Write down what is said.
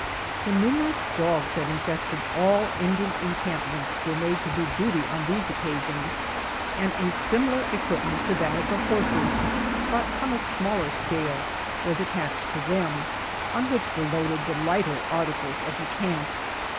The numerous dogs that infested all Indian encamipments were made to do duty on these occa sions, and a similar equipment to that of the horses, bat on a smaller scale, was attached to them, on which were loaded the lighter articles of the camp.